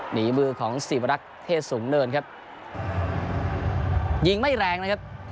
หนีมือของสีวรักษ์เทศสูงเนินครับยิงไม่แรงนะครับ